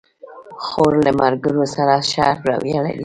خور له ملګرو سره ښه رویه لري.